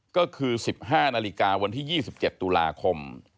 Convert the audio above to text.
ก็คือ๑๕นาฬิกาวันที่๒๗ตุลาคม